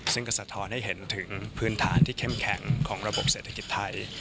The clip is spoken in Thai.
ซึ่งก็สะท้อนให้เห็นถึงพื้นฐานที่เข้มแข็งของระบบเศรษฐกิจไทย